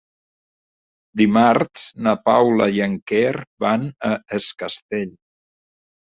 Dimarts na Paula i en Quer van a Es Castell.